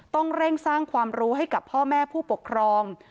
ต้องเร่งสร้างความรู้ให้กับพ่อแม่ผู้ปกครอง